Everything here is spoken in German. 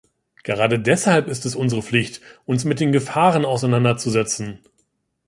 Gerade deshalb ist es unsere Pflicht, uns mit den Gefahren auseinander zu setzen.